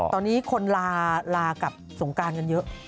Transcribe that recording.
ตอนนี้คนลาลากับสงการกันเยอะ